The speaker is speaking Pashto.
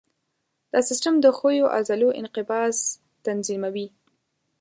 دا سیستم د ښویو عضلو انقباض تنظیموي.